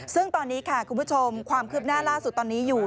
ซึ่งตอนนี้ค่ะคุณผู้ชมความคืบหน้าล่าสุดตอนนี้อยู่